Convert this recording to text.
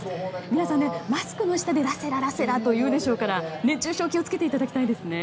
皆さん、マスクの下でラッセラーと言うでしょうから熱中症に気を付けていただきたいですね。